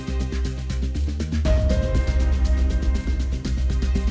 ผมมีบัญชีจาทำให้เกิดขอบคุณได้